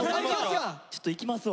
ちょっといきますわ。